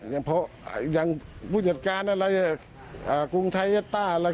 อย่างผู้จัดการอะไร